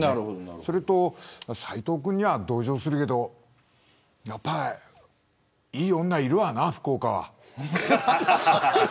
それと、斉藤くんには同情するけどやっぱりいい女いるわな、福岡は。